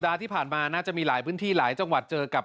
ที่ผ่านมาน่าจะมีหลายพื้นที่หลายจังหวัดเจอกับ